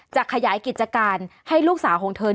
จะขยายกิจการให้ลูกสาวของเธอ